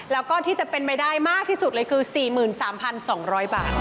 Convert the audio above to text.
แล้วก็ที่จะเป็นไปได้มากที่สุดเลยคือ๔๓๒๐๐บาท